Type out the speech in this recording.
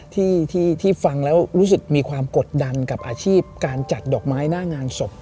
ที่ฟังแล้วรู้สึกมีความกดดันกับอาชีพการจัดดอกไม้หน้างานศพ